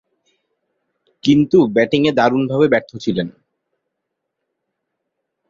কিন্তু ব্যাটিংয়ে দারুণভাবে ব্যর্থ ছিলেন।